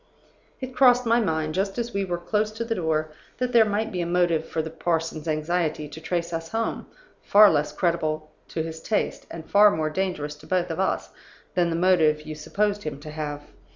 "It crossed my mind, just as we were close to the door, that there might be a motive for the parson's anxiety to trace us home, far less creditable to his taste, and far more dangerous to both of us, than the motive you supposed him to have.